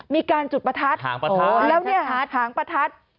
มีการจุดประทัดแล้วเนี่ยหางประทัด